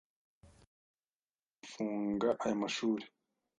Icyemezo cyo gufunga aya mashuri